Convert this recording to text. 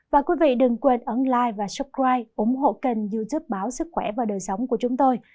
và quý vị đừng quên ấn like và subscribe ủng hộ kênh youtube báo sức khỏe và đời sống của chúng tôi